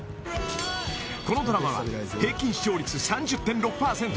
このドラマは平均視聴率３０．６％